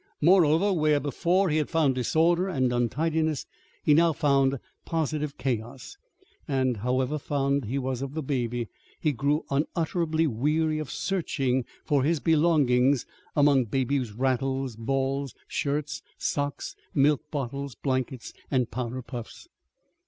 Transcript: Moreover, where before he had found disorder and untidiness, he now found positive chaos. And however fond he was of the Baby, he grew unutterably weary of searching for his belongings among Baby's rattles, balls, shirts, socks, milk bottles, blankets, and powder puffs.